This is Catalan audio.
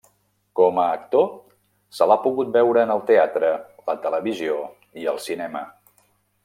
Com a actor se l'ha pogut veure en el teatre, la televisió i el cinema.